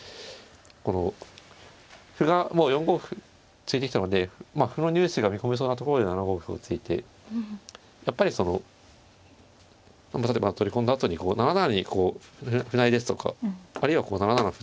この歩がもう４五歩突いてきたので歩の入手が見込めそうなところで７五歩を突いてやっぱりその例えば取り込んだあとに７七にこう歩成りですとかあるいはこう７七歩という形に。